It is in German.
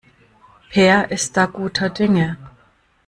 Peer ist da guter Dinge.